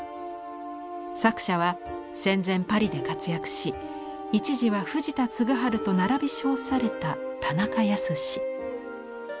作者は戦前パリで活躍し一時は藤田嗣治と並び称された田中保。